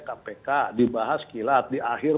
kpk dibahas kilat di akhir